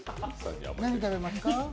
何食べますか？